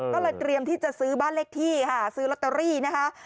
ก็เลยเตรียมที่จะซื้อบ้านเลขที่ค่ะซื้อลอตเตอรี่นะคะ